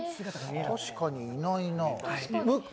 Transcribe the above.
確かにいないな。